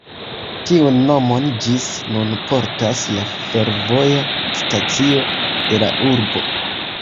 Tiun nomon ĝis nun portas la fervoja stacio de la urbo.